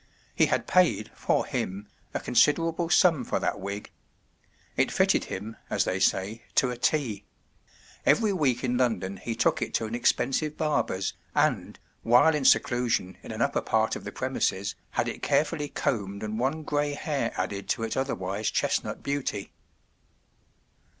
He had paid, for him, a considerable sum for that wig. It fitted him, as they say, to a T. Every week in London he took it to an ex¬ pensive barber’s and, while in seclusion in an upper part of the premises, had it carefully combed and one grey hair added to its other¬ wise chestnut beauty.